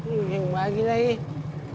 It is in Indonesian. ih bahagi lah ih